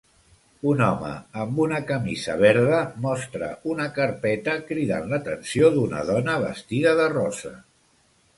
Un home amb una camisa verda mostra una carpeta cridant l'atenció d'una dona vestida de rosa.